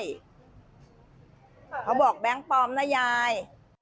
เขาบอกแบงค์ปลอมนะยาย